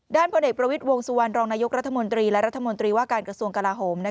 พลเอกประวิทย์วงสุวรรณรองนายกรัฐมนตรีและรัฐมนตรีว่าการกระทรวงกลาโหม